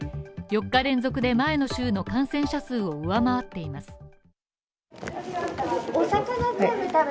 ４日連続で前の週の感染者数を上回っています。